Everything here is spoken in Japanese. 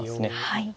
はい。